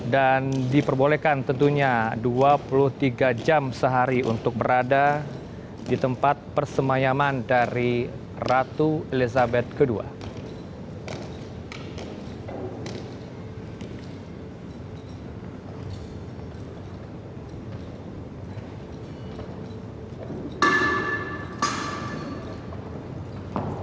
dan diperbolehkan tentunya dua puluh tiga jam sehari untuk berada di tempat persemayaman dari ratu elizabeth ii